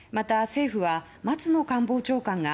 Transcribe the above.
政府は松野官房長官が